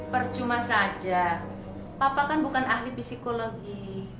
percuma saja papa kan bukan ahli psikologi